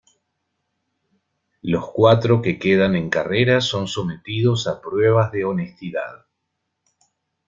Los cuatro que quedan en carrera son sometidos a pruebas de honestidad.